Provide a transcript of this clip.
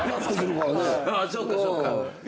そっかそっか。